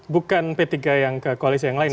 bukan p tiga yang ke koalisi yang lain